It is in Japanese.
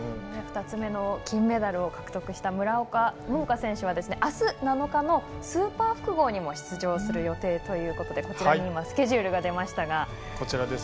２つ目の金メダルを獲得した村岡桃佳選手はあす７日のスーパー複合にも出場する予定ということでこちらにスケジュールが出ました。